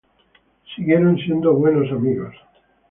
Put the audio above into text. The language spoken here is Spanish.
Siguieron siendo buenos amigos.